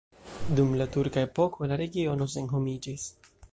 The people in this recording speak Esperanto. Dum la turka epoko la regiono senhomiĝis.